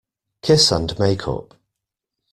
Kiss and make up.